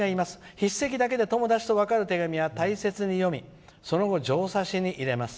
筆跡だけで友達と分かる手紙は大切に読み、その後状差しに入れます。